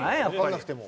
やっぱり。